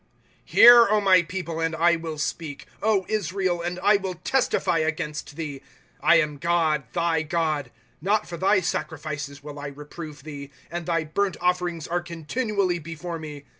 ' Hear, my people, and I will speak, Israel, and I will testify against thee ; 1 am God, thy God. 8 Not for thy sacrifices will I reprove thee ; And thy hurnt offerings are continually before me.